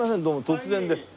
どうも突然で。